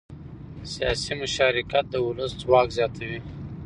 سیاسي مشارکت د ولس ځواک زیاتوي